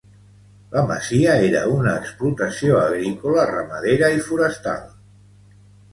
La masia era una explotació agrícola, ramadera i forestal.